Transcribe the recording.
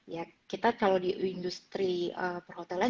ya kita kalau di industri perhotelan